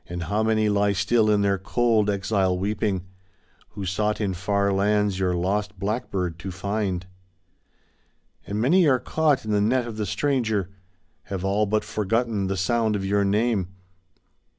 How many lie still, in their cold exile sleeping, Who sought in far lands your lost blackbird to find? "And many are caught in the net of the stranger — Have all but forgotten the sound of your name.